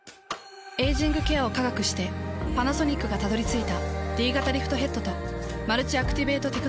エイジングケアを科学してパナソニックがたどり着いたＤ型リフトヘッドとマルチアクティベートテクノロジー。